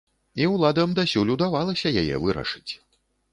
І ўладам дасюль удавалася яе вырашыць.